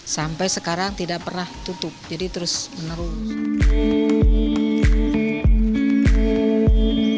sampai sekarang tidak pernah tutup jadi terus menerus